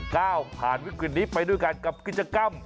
ก้าวผ่านวิกฤตนี้ไปด้วยกันกับกิจกรรม